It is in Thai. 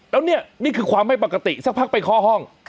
แล้วเนี่ยนี่คือความไม่ปกติสักพักไปเคาะห้อง